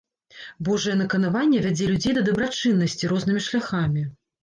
Божае наканаванне вядзе людзей да дабрачыннасці рознымі шляхамі.